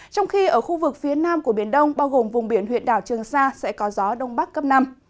trong khi ở khu vực phía nam của biển đông bao gồm vùng biển huyện đảo trường sa sẽ có gió đông bắc cấp năm